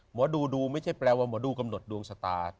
หมอดูดูไม่ใช่แปลว่าหมอดูกำหนดดวงชะตา